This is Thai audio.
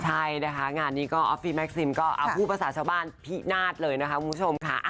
ใช่นะคะงานนี้ก็ออฟฟี่แม็กซิมก็พูดภาษาชาวบ้านพินาศเลยนะคะคุณผู้ชมค่ะ